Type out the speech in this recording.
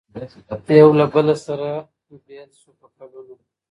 یو له بله سره بېل سو په کلونو